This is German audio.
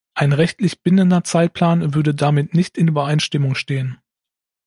Ein rechtlich bindender Zeitplan würde damit nicht in Übereinstimmung stehen.